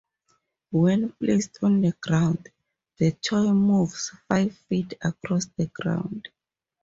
When placed on the ground, the toy moves five feet across the ground.